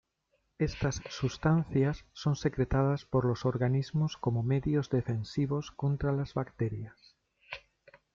Estas sustancias son secretadas por los organismos como medios defensivos contra las bacterias.